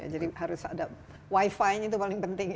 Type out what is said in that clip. jadi harus ada wi fi nya itu paling penting